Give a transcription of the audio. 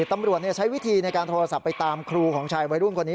ตำรวจใช้วิธีในการโทรศัพท์ไปตามครูของชายวัยรุ่นคนนี้